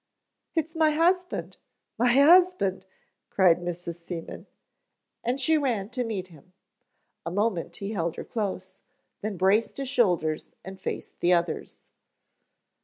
"It's my husband, my husband," cried Mrs. Seaman and she ran to meet him. A moment he held her close, then braced his shoulders, and faced the others.